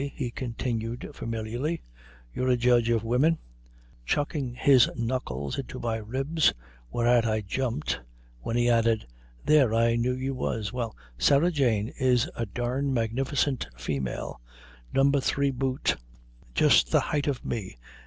he continued familiarly, "you're a judge of wimmen," chucking his knuckles into my ribs, whereat I jumped; when he added, "There, I knew you was. Well, Sarah Jane is a derned magnificent female; number three boot, just the height for me.